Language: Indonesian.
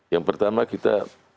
yang pertama kita